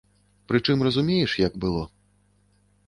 Прычым разумееш, як было.